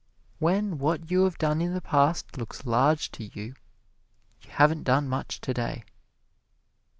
When what you have done in the past looks large to you, you haven't done much today.